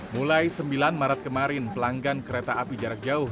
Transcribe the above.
mulai sembilan maret kemarin pelanggan kereta api jarak jauh